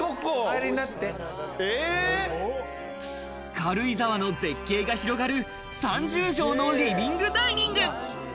軽井沢の絶景が広がる３０畳のリビングダイニング。